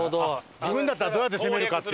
自分だったらどうやって攻めるかっていう？